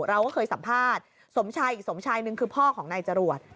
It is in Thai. เราก็เคยสัมภาษณ์สมชายอีกสมชายหนึ่งคือพ่อของนายจรวด